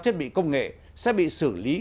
thiết bị công nghệ sẽ bị xử lý